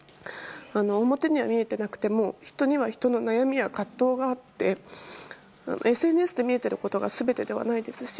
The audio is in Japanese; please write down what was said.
表には見えてなくても人には人の悩みや葛藤があってＳＮＳで見えていることが全てではないですし